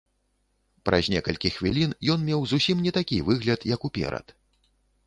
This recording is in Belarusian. Праз некалькі хвілін ён меў зусім не такі выгляд, як уперад.